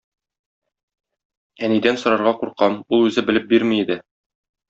Әнидән сорарга куркам, ул үзе белеп бирми иде.